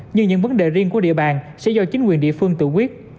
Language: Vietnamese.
như những vấn đề riêng của địa bàn sẽ do chính quyền địa phương tự quyết